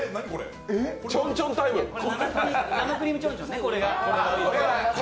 生クリームちょんちょんね、これが。